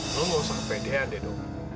lo gak usah kepedean edo